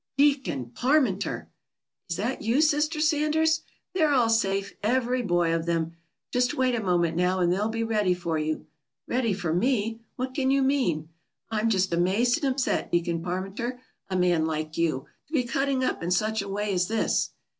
"Deacon Parmenter!" "Is that you, Sister Sanders? They're all safe every boy of them. Just wait a moment now, and they'll be ready for you." "Ready for me! What can you mean? I'm just amazed and upset, Deacon Parmenter. A man like you, to be cutting up in such a way as this!"